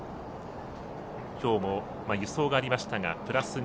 きょうも輸送がありましたがプラス２ｋｇ。